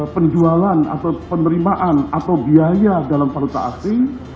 penjualan atau penerimaan atau biaya dalam perusahaan asing